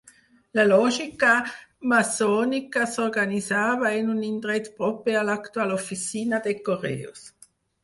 La lògia maçònica s'organitzava en un indret proper a l'actual oficina de correus.